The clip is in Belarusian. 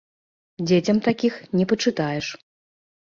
Дзецям такіх не пачытаеш.